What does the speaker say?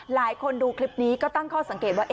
หลายคนดูคลิปนี้ก็ตั้งข้อสังเกตว่า